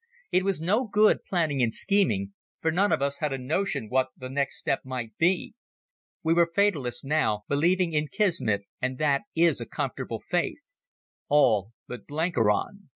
It was no good planning and scheming, for none of us had a notion what the next step might be. We were fatalists now, believing in Kismet, and that is a comfortable faith. All but Blenkiron.